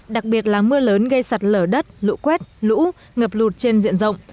đặc biệt là mưa lớn gây sạt lở đất lũ quét lũ ngợp lụt trên diện rộng